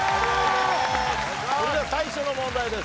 それでは最初の問題です。